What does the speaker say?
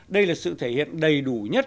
đây là sự thể hiện đầy đủ nhất